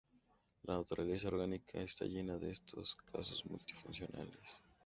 La naturaleza orgánica está llena de estos casos multifuncionales.